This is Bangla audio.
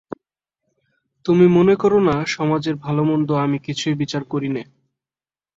তুমি মনে কোরো না সমাজের ভালোমন্দ আমি কিছুই বিচার করি নে।